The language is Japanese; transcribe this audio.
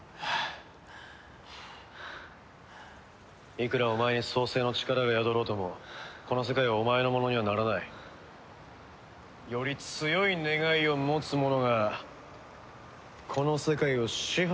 いくらお前に創世の力が宿ろうともこの世界はお前のものにはならない。より強い願いを持つ者がこの世界を支配するのさ。